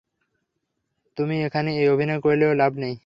তুমি এখানে এই অভিনয় করলেও লাভ নেই।